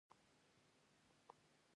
د تا واده به په کوم کال کې وي